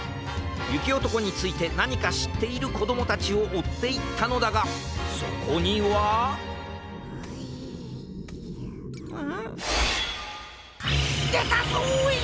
ゆきおとこについてなにかしっているこどもたちをおっていったのだがそこにはでたぞい！